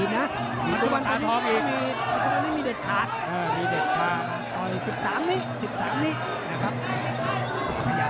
ขยับตรงนี้ละภาษึกเดินได้ช่วงโอ้โหเจอหนักขวา